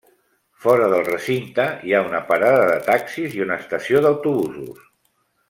Fora del recinte hi ha una parada de taxis i una estació d'autobusos.